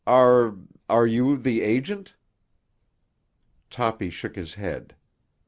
"Are—are you the agent?" Toppy shook his head.